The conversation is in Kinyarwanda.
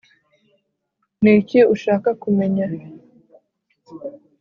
ni iki ushaka kumenya